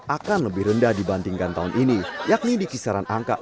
akan lebih rendah dibandingkan tahun ini yakni di kisaran angka empat belas empat ratus